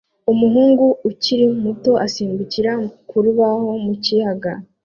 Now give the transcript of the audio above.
Umuhungu ukiri muto asimbukira ku rubaho mu kiyaga